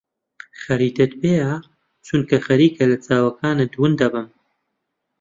خەریتەت پێیە؟ چونکە خەریکە لە چاوەکانت ون دەبم.